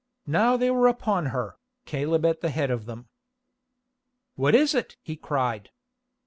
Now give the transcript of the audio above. Now they were upon her, Caleb at the head of them. "What is it?" he cried.